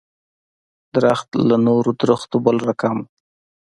درخت له نورو درختو بل رقم و.